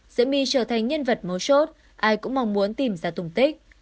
diễm my trở thành nhân vật mấu sốt ai cũng mong muốn tìm ra tùng tích